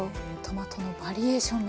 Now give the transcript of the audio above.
トマトのバリエーション